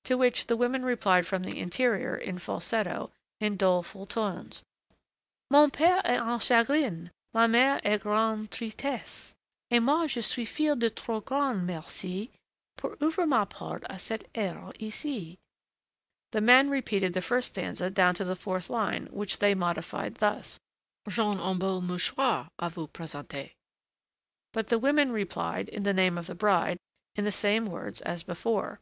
" To which the women replied from the interior, in falsetto, in doleful tones: "Mon père est en chagrin, ma mère en grand' tristesse, Et moi je suis fille de trop grand' merci Pour ouvrir ma porte à cette heure ici." The men repeated the first stanza down to the fourth line, which they modified thus: "J'ons un beau mouchoir à vous présenter." But the women replied, in the name of the bride, in the same words as before.